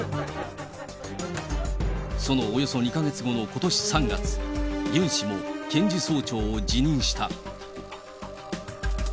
そのおよそ２か月後のことし３月、ユン氏も検事総長を辞任した。